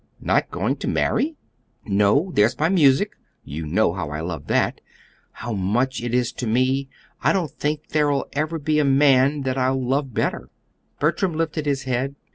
"Not going to marry!" "No. There's my music you know how I love that, and how much it is to me. I don't think there'll ever be a man that I'll love better." Bertram lifted his head.